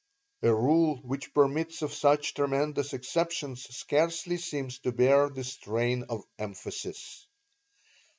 A rule which permits of such tremendous exceptions scarcely seems to bear the strain of emphasis."